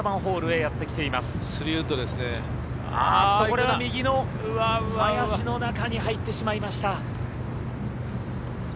これは右の林の中に入ってしまいました。